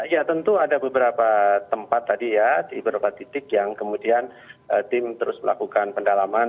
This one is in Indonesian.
ya tentu ada beberapa tempat tadi ya di beberapa titik yang kemudian tim terus melakukan pendalaman